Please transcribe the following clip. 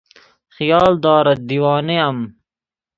خیال دارد دیوانه ام.